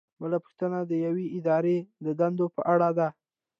بله پوښتنه د یوې ادارې د دندو په اړه ده.